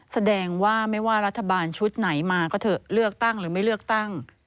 แสดงว่าไม่ว่ารัฐบาลชุดไหนมาก็เถอะเลือกตั้งหรือไม่เลือกตั้ง